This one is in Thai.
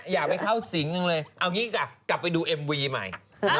อย่าไปเข้าสิงเลยเอางี้กลับไปดูเอ็มวีใหม่